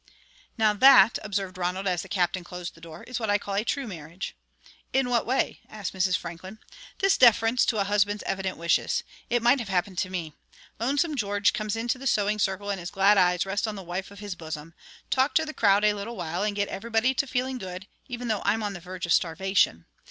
"Now that," observed Ronald, as the Captain closed the door, "is what I call a true marriage." "In what way?" asked Mrs. Franklin. "This deference to a husband's evident wishes. It might have happened to me. Lonesome George comes into the sewing circle and his glad eyes rest on the wife of his bosom. Talk to the crowd a little while and get everybody to feeling good, even though I'm on the verge of starvation.